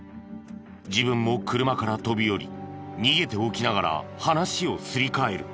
自分も車から飛び降り逃げておきながら話をすり替える。